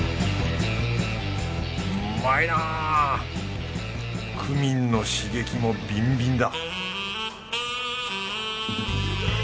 うまいなクミンの刺激もビンビンだ